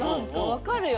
分かるよ。